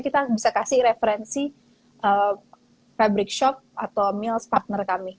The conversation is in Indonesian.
kita bisa kasih referensi fabric shop atau mills partner kami